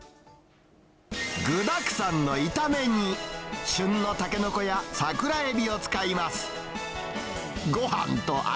具だくさんのいため煮、旬のタケノコや桜エビを使います。